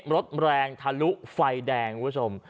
รถแรงทะลุไฟแดงคุณผู้ชม